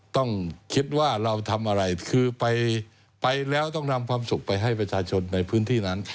ต้องคิดว่าเราทำอะไรคือไปแล้วต้องนำความสุขไปให้ประชาชนในพื้นที่นั้น